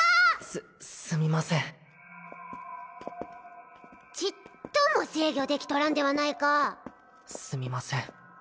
すすみませんちっとも制御できとらんではないかすみません